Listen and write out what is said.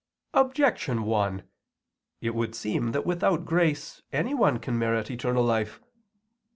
Objection 1: It would seem that without grace anyone can merit eternal life.